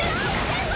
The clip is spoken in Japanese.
先輩！